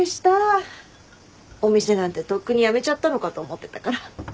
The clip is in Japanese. お店なんてとっくに辞めちゃったのかと思ってたから。